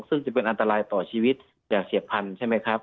ซึ่งจะเป็นอันตรายต่อชีวิตอย่าเฉียบพันธุ์ใช่ไหมครับ